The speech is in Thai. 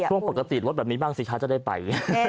ช่วงปกติลดแบบนี้บ้างสิทธิ์ช้าจะได้ไป